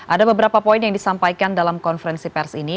ada beberapa poin yang disampaikan dalam konferensi pers ini